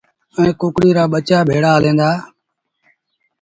ائيٚݩ ڪڪڙي ري ٻچآݩ ڀيڙآ هليݩ دآ۔